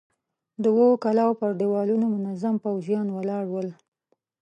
د اوو کلاوو پر دېوالونو منظم پوځيان ولاړ ول.